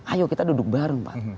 ayo kita duduk bareng pak